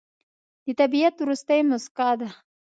د طبیعت وروستی موسکا ده